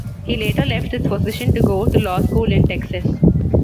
He later left this position to go to law school in Texas.